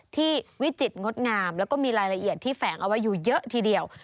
วิจิตรงดงามแล้วก็มีรายละเอียดที่แฝงเอาไว้อยู่เยอะทีเดียว